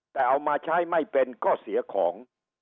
แต่เอามาใช้ไม่เป็นก็เสียของ